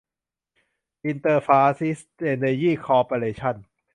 อินเตอร์ ฟาร์อีสท์ เอ็นเนอร์ยี่ คอร์ปอเรชั่น